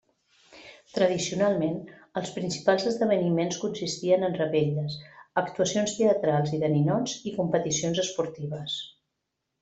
Tradicionalment, els principals esdeveniments consistien en revetlles, actuacions teatrals i de ninots i competicions esportives.